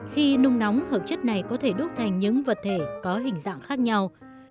khi nung nóng hợp chất này có thể đúc thành những vật thể có hình dạng khác nhau